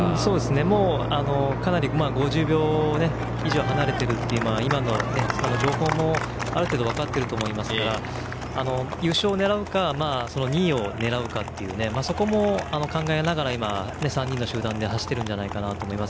もう、かなり５０秒以上離れているという情報も、ある程度分かっていると思いますから優勝を狙うか、２位を狙うかそこも、考えながら今３人の集団で走っていると思います。